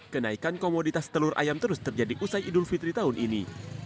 kenaikan komoditas telur ayam terus terjadi usai idul fitri tahun ini